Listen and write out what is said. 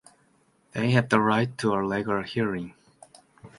They have the right to a legal hearing.